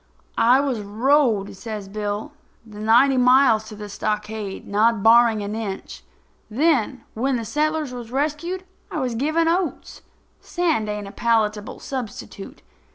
"I was rode," says Bill, "the ninety miles to the stockade, not barring an inch. Then, when the settlers was rescued, I was given oats. Sand ain't a palatable substitute.